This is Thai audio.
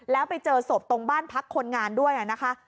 แล้วไปเจอศพตรงบ้านพักคนงานด้วยนะคะ